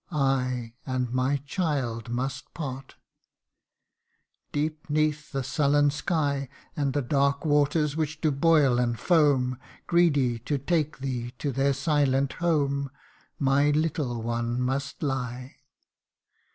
I and my child must part ! CANTO III. 93 ' Deep 'neath the sullen sky, And the dark waters which do boil and foam, Greedy to take thee to their silent home My little one must lie